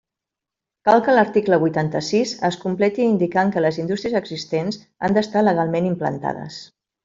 Cal que l'article vuitanta-sis es completi indicant que les indústries existents han d'estar legalment implantades.